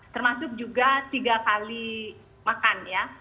termasuk juga tiga kali makan ya